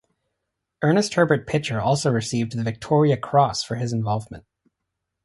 Ernest Herbert Pitcher also received the Victoria Cross for his involvement.